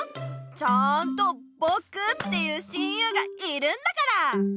ちゃあんとぼくっていう親友がいるんだから！